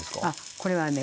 これはね